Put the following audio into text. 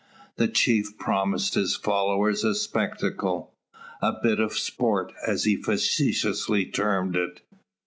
The chief promised his followers a spectacle, a "bit of sport," as he facetiously termed it.